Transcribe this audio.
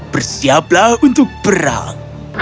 bersiaplah untuk perang